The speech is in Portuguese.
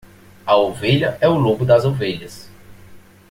A ovelha é o lobo das ovelhas.